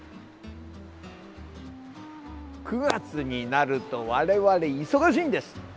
９月になると我々忙しいんです！